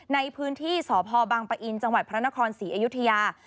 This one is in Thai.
ในพื้นที่สพบังปะอินจังหวัดพระนครศรีอยุธยา